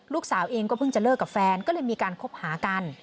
ลูกสาวเองก็เพิ่งจะเลิกกับแฟนก็เลยมีการคบหากัน